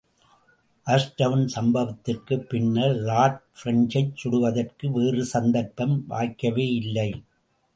ஆஷ்டவுன் சம்பவத்திற்குப் பின்னால் லார்ட் பிரெஞ்சைச் சுடுவதற்கு வேறு சந்தர்ப்பம் வாய்க்கவே இல்லை.